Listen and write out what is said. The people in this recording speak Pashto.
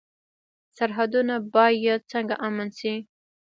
سرحدونه باید څنګه امن شي؟